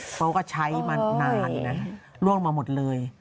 เพราะว่าก็ใช้มานานล่วงมาหมดเลย